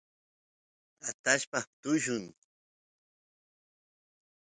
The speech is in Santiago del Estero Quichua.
atashpa tullun